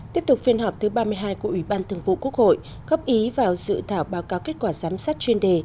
tiếp tục phiên họp thứ ba mươi hai của ủy ban thường vụ quốc hội góp ý vào dự thảo báo cáo kết quả giám sát chuyên đề